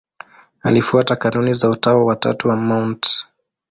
Alifuata kanuni za Utawa wa Tatu wa Mt.